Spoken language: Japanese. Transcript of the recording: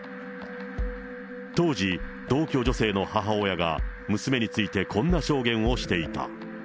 当時、同居女性の母親が、娘についてこんな証言をしていた。